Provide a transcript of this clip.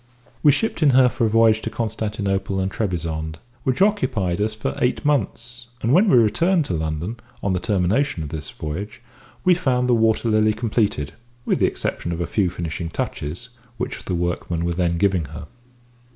We shipped in her for a voyage to Constantinople and Trebizond, which occupied us for eight months, and when we returned to London, on the termination of this voyage, we found the Water Lily completed, with the exception of a few finishing touches, which the workmen were then giving her.